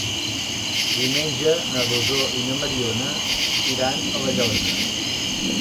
Diumenge na Rosó i na Mariona iran a La Llosa.